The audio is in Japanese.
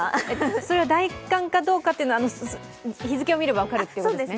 それは大寒かどうかっていうのは、日付を見れば分かるっていうことですね。